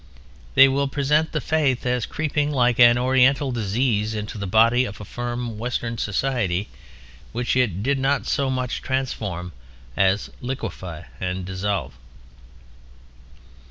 They will represent the Faith as creeping like an Oriental disease into the body of a firm Western society which it did not so much transform as liquefy and dissolve.